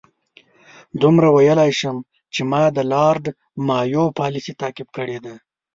دومره ویلای شم چې ما د لارډ مایو پالیسي تعقیب کړې ده.